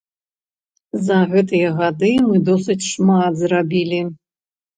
За гэтыя гады мы досыць шмат зрабілі.